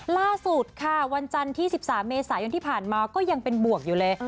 ล่าสุดค่ะวันจันทร์ที่๑๓เมษายนที่ผ่านมาก็ยังเป็นบวกอยู่เลย